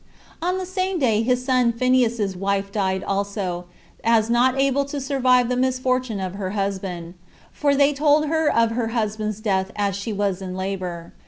4. On the same day his son Phineas's wife died also, as not able to survive the misfortune of her husband; for they told her of her husband's death as she was in labor.